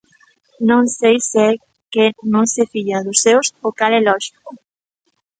Non sei se é que non se fía dos seus, o cal é lóxico.